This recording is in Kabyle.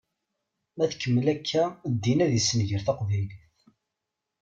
Ma tkemmel akka, ddin ad yessenger taqbaylit.